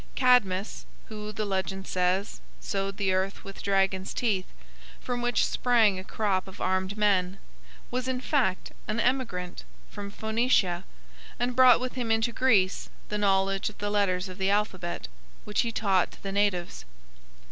Cadmus, who, the legend says, sowed the earth with dragon's teeth, from which sprang a crop of armed men, was in fact an emigrant from Phoenicia, and brought with him into Greece the knowledge of the letters of the alphabet, which he taught to the natives.